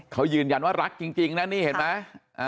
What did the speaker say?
เขายืนยันว่ารักจริงนะนี่เห็นไหม